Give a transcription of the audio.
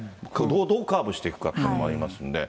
どうカーブしていくかということもありますんで。